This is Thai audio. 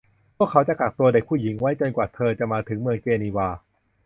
พวกเขาจะกักตัวเด็กผู้หญิงไว้ จนกว่าเธอจะมาถึงเมืองเจนีวา